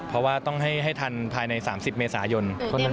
เพราะว่าต้องให้ทันภายใน๓๐เมษายน